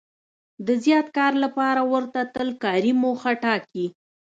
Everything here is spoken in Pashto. د زیات کار لپاره ورته تل کاري موخه ټاکي.